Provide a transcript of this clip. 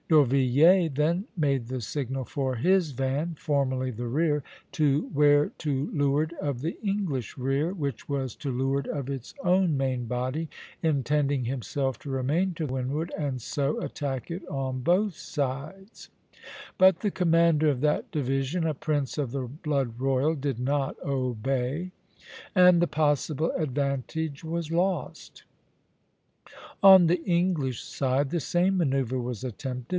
D'Orvilliers then made the signal for his van, formerly the rear, to wear to leeward of the English rear, which was to leeward of its own main body, intending himself to remain to windward and so attack it on both sides; but the commander of that division, a prince of the blood royal, did not obey, and the possible advantage was lost. On the English side the same manoeuvre was attempted.